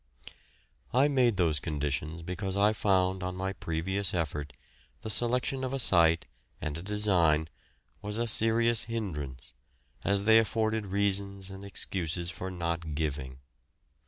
I made those conditions because I found on my previous effort the selection of a site and a design was a serious hindrance, as they afforded reasons and excuses for not giving.